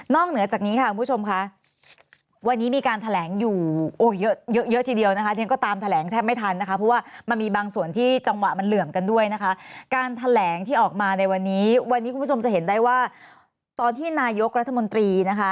นอกเหนือจากนี้ค่ะคุณผู้ชมค่ะ